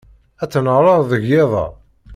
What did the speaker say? Ad tnehṛeḍ deg yiḍ-a?